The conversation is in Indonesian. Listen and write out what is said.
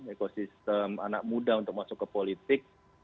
ekosistem anak muda untuk masuk ke politik